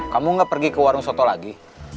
kamu gak pergi ke warung soto lagi